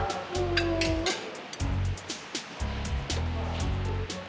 gue juga mau lapar